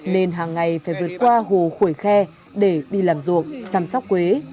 nên hàng ngày phải vượt qua hồ khuổi khe để đi làm ruộng chăm sóc quế